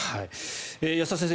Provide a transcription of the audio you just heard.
安田先生